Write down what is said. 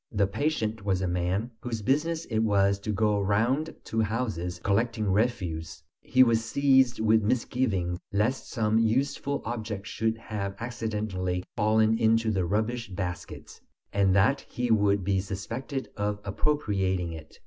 The patient was a man whose business it was to go round to houses collecting refuse; he was seized with misgivings lest some useful object should have accidentally fallen into the rubbish baskets, and that he would be suspected of appropriating it.